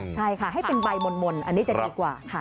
ใช่ค่ะให้เป็นใบมนต์อันนี้จะดีกว่าค่ะ